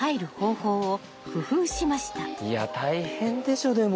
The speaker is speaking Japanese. いや大変でしょでも。